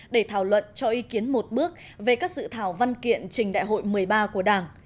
để thảo luận cho ý kiến một bước về các dự thảo văn kiện trình đại hội một mươi ba của đảng